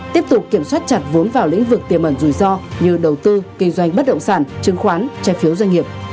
tiếp tục kiểm soát chặt vốn vào lĩnh vực tiềm ẩn rủi ro như đầu tư kinh doanh bất động sản chứng khoán trái phiếu doanh nghiệp